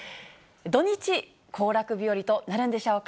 土日、行楽日和となるんでしょうか。